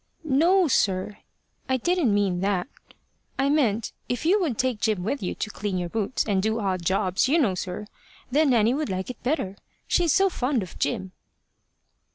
"No, sir; I didn't mean that. I meant, if you would take Jim with you to clean your boots, and do odd jobs, you know, sir, then Nanny would like it better. She's so fond of Jim!"